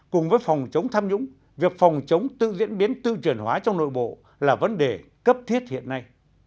cùng với phòng chống tham nhũng việc phòng chống tự diễn biến tự truyền hóa trong nội bộ là vấn đề cấp thiết hiện nay